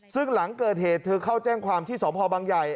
ซึ่งหลังเกิดเหตุเธอเข้าแจ้งความที่สพบังใหญ่